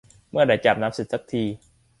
เมื่อไหร่จะอาบน้ำเสร็จสักที